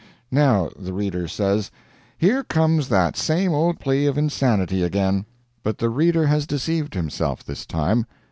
Now, the reader says, "Here comes that same old plea of insanity again." But the reader has deceived himself this time.